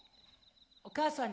お母さんに。